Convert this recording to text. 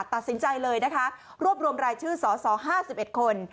ตัดสินใจเลยนะคะรวบรวมรายชื่อสอสอห้าสิบเอ็ดคน